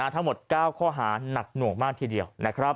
ทั้งหมด๙ข้อหานักหน่วงมากทีเดียว